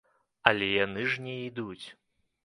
Але яны ж не ідуць.